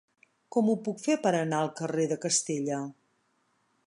Com ho puc fer per anar al carrer de Castella?